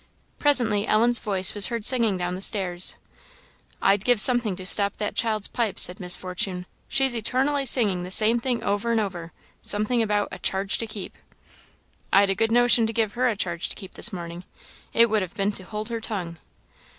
Presently, Ellen's voice was heard singing down the stairs. "I'd give something to stop that child's pipe!" said Miss Fortune; "she's eternally singing the same thing over and over something about 'a charge to keep' I'd a good notion to give her a charge to keep this morning; it would have been to hold her tongue."